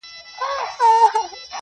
د سترگو هره ائينه کي مي جلا ياري ده,